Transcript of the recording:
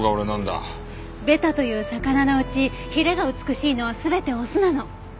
ベタという魚のうちヒレが美しいのは全てオスなの。